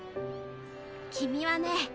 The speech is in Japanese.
君はね